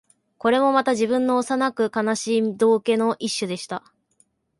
これもまた、自分の幼く悲しい道化の一種でした